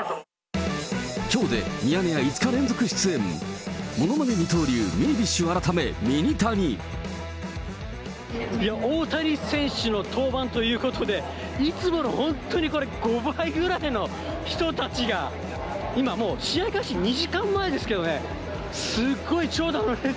きょうでミヤネ屋５日連続出演、ものまね二刀流、いや、大谷選手の登板ということで、いつもの本当にこれ、５倍ぐらいの人たちが、今もう、試合開始２時間前ですけどね、すごい長蛇の列。